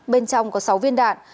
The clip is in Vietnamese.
bên trong có sáu viên đạn